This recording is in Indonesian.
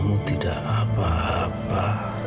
kamu tidak apa apa